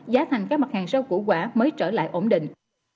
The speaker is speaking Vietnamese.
giá thành các mặt hàng rau củ quả mới trở lại ổn định